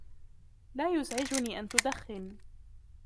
لا يزعجني أن تدخن